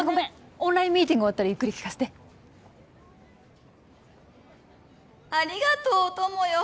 オンラインミーティング終わったらゆっくり聞かせてありがとう友よ